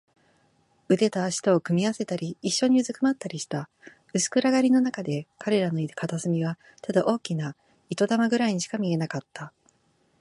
腕と脚とを組み合わせたり、いっしょにうずくまったりした。薄暗がりのなかで、彼らのいる片隅はただ大きな糸玉ぐらいにしか見えなかった。